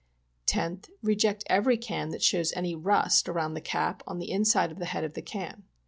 10th. Reject every can that shows any rust around the cap on the inside of the head of the can.